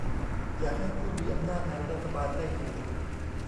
อยากให้ผู้มีอำนาจในรัฐบาลได้ดู